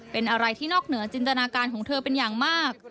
เป็นอะไรที่นอกเหนือจินตนาการของเธอเป็นอย่างมาก